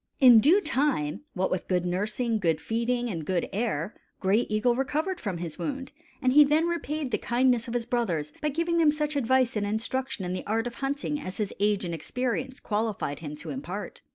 In due time, what with good nursing, good feeding, and good air, Gray Eagle recovered from his wound; and he then repaid the kindness of his brothers by giving them such advice and instruction in the art of hunting as his age and experience qualified him to impart.